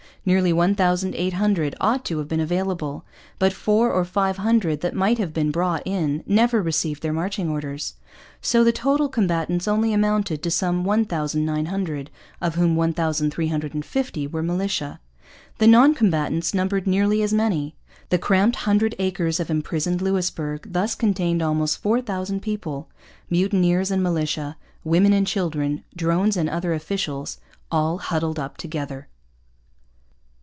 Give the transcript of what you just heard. Nearly 1,800 ought to have been available. But four or five hundred that might have been brought in never received their marching orders. So the total combatants only amounted to some 1,900, of whom 1,350 were militia. The non combatants numbered nearly as many. The cramped hundred acres of imprisoned Louisbourg thus contained almost 4,000 people mutineers and militia, women and children, drones and other officials, all huddled up together.